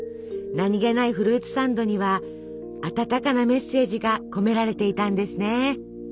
何気ないフルーツサンドには温かなメッセージが込められていたんですね。